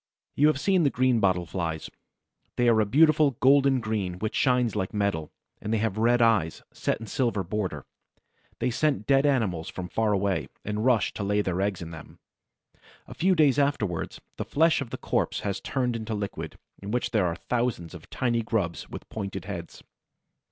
You have seen the Greenbottle Flies. They are a beautiful golden green which shines like metal, and they have red eyes, set in a silver border. They scent dead animals from far away, and rush to lay their eggs in them. A few days afterward, the flesh of the corpse has turned into liquid, in which are thousands of tiny grubs with pointed heads.